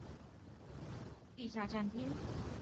两个地面站厅都通过扶手电梯连接地下站厅。